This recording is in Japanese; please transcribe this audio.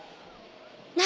何？